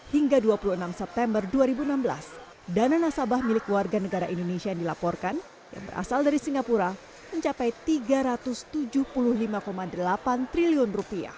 hingga dua puluh enam september dua ribu enam belas dana nasabah milik warga negara indonesia yang dilaporkan yang berasal dari singapura mencapai rp tiga ratus tujuh puluh lima delapan triliun